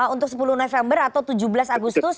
untuk sepuluh november atau tujuh belas agustus